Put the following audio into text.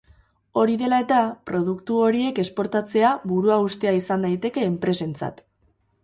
Hori dela eta, produktu horiek esportatzea buruhaustea izan daiteke enpresentzat.